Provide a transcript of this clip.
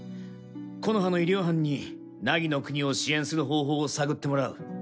木ノ葉の医療班に凪の国を支援する方法を探ってもらう。